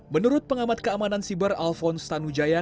menurut pengamat keamanan siber alphonse tanujaya